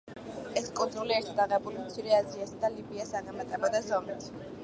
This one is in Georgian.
ეს კუნძული ერთად აღებულ მცირე აზიასა და ლიბიას აღემატებოდა ზომით.